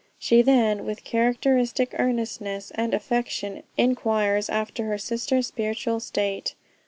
She then, with characteristic earnestness and affection, inquires after her sister's spiritual state.